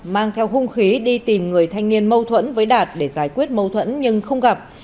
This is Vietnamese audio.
mang theo hung khí đi tìm người thanh niên mâu thuẫn với đạt để giải quyết mâu thuẫn nhưng không gặp